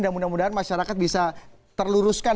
dan mudah mudahan masyarakat bisa terluruskan